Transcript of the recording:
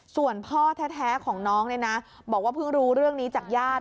ส่วนพ่อแท้ของน้องเนี่ยนะบอกว่าเพิ่งรู้เรื่องนี้จากญาติ